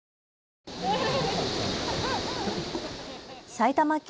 埼玉県